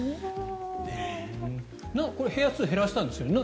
これ部屋数、減らしたんですよね。